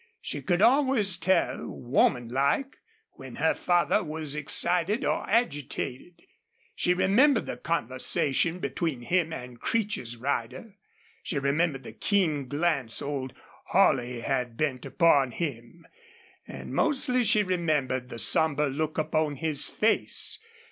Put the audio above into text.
She could always tell, woman like, when her father was excited or agitated. She remembered the conversation between him and Creech's rider. She remembered the keen glance old Holley had bent upon him. And mostly she remembered the somber look upon his face.